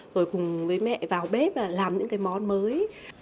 rồi cùng với mẹ vào bếp làm những cái món mới